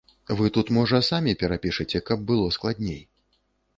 Вы тут, можа, самі перапішаце, каб было складней.